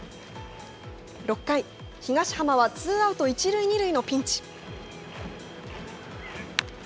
６回、東浜はツーアウト１塁２塁のピンチ。